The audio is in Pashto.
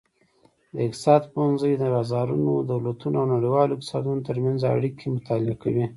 د اقتصاد پوهنځی د بازارونو، دولتونو او نړیوالو اقتصادونو ترمنځ اړیکې مطالعه کوي.